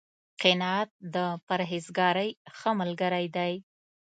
قناعت، د پرهېزکارۍ ښه ملګری دی